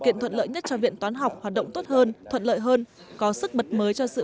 kiện thuận lợi nhất cho viện toán học hoạt động tốt hơn thuận lợi hơn có sức mật mới cho sự